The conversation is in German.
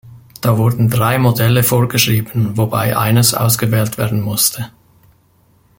Da wurden drei Modelle vorgeschrieben, wobei eines ausgewählt werden musste.